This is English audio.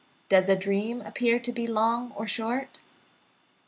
Does a dream appear to be long or to be short?